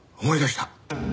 思い出した。